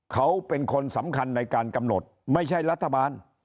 เขาเป็นคนสำคัญในการกำหนดไม่ใช่รัฐบาล